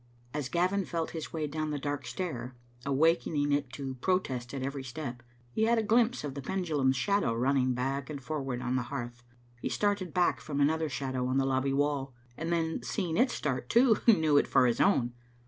As Gavin felt his way down the dark stair, awakening it into protest at every step, he had a glimpse of the pendulum's shadow running back and forward on the hearth ; he started back from another shadow on the lobby wall, and then seeing it start too, knew it for his own.